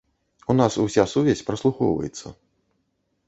У нас уся сувязь праслухоўваецца.